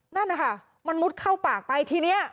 นั่นนะคะมันมุดเข้าปากไปทีนี้